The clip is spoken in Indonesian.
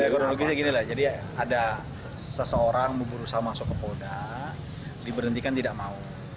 kondisi ini lah jadi ada seseorang berusaha masuk ke polda diberhentikan tidak mau